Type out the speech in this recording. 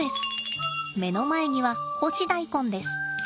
目の前には干し大根です。